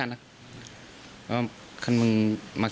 พุ่งเข้ามาแล้วกับแม่แค่สองคน